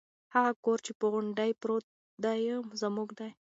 هغه کور چې په غونډۍ پروت دی زموږ دی.